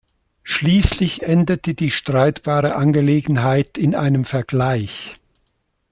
Schließlich endete die streitbare Angelegenheit in einem Vergleich.